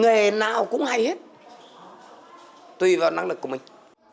nghề nào cũng hay hết tùy vào năng lực của mình